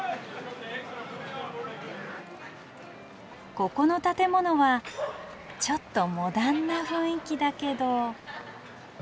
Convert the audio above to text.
ここの建物はちょっとモダンな雰囲気だけど。